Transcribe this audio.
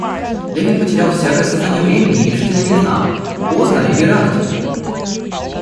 Левин потерял всякое сознание времени и решительно не знал, поздно или рано теперь.